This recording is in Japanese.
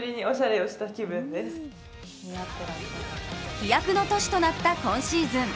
飛躍の年となった今シーズン。